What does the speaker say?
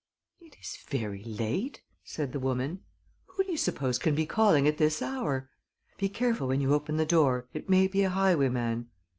"It is very late," said the woman. "Who do you suppose can be calling at this hour? Be careful when you open the door it may be a highwayman."